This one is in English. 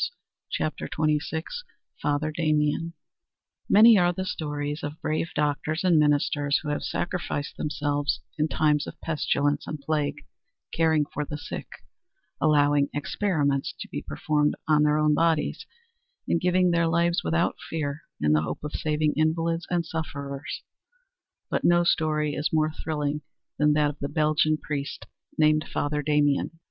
CHAPTER XXVI FATHER DAMIEN Many are the stories of brave doctors and ministers who have sacrificed themselves in times of pestilence and plague, caring for the sick, allowing experiments to be performed on their own bodies, and giving their lives without fear in the hope of saving invalids and sufferers; but no story is more thrilling than that of the Belgian priest named Father Damien.